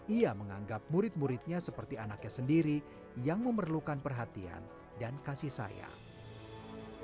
ia menganggap murid muridnya seperti anaknya sendiri yang memerlukan perhatian dan kasih sayang